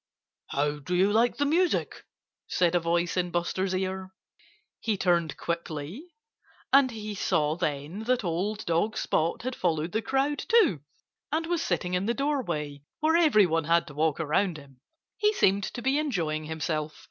"How do you like the music?" said a voice in Buster's ear. He turned quickly. And he saw then that old dog Spot had followed the crowd too and was sitting in the doorway, where everyone had to walk around him. He seemed to be enjoying himself.